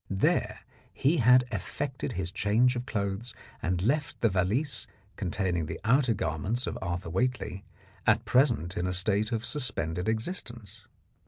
There he had effected his change of clothes and left the valise containing the outer garments of Arthur Whately, at present in a state of suspended existence.